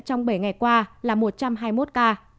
trong bảy ngày qua là một trăm hai mươi một ca